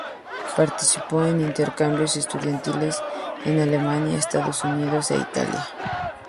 Participó en intercambios estudiantiles en Alemania, Estados Unidos e Italia.